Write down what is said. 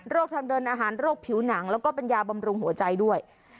ทางเดินอาหารโรคผิวหนังแล้วก็เป็นยาบำรุงหัวใจด้วย